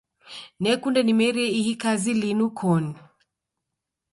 Nakunde nimerie ihi kazi linu koni.